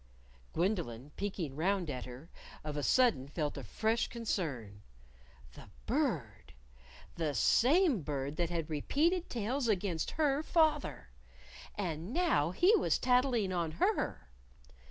Gwendolyn, peeking round at her, of a sudden felt a fresh concern. The Bird! the same Bird that had repeated tales against her father! And now he was tattling on her!